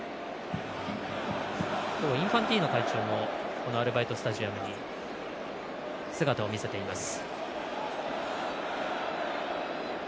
インファンティーノ会長もアルバイトスタジアムに姿を見せています。